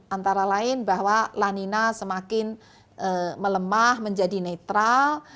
antara lain bahwa lanina semakin melemah menjadi netral